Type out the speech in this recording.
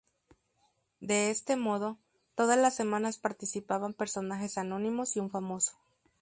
De este modo, todas las semanas participaban personajes anónimos y un famoso.